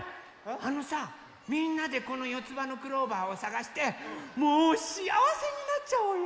あのさみんなでこのよつばのクローバーをさがしてもうしあわせになっちゃおうよ！